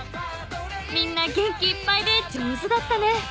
［みんな元気いっぱいで上手だったね］